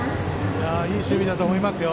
いい守備だと思いますよ。